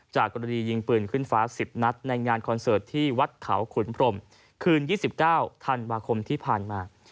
กรณียิงปืนขึ้นฟ้า๑๐นัดในงานคอนเสิร์ตที่วัดเขาขุนพรมคืน๒๙ธันวาคมที่ผ่านมา